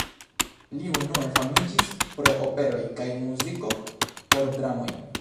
Li unue famiĝis pro operoj kaj muziko por dramoj.